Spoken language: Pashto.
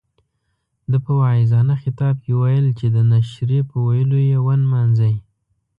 ده په واعظانه خطاب کې ویل چې د نشرې په ويلو یې ونمانځئ.